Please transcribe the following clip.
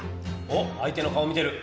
おっ相手の顔見てる！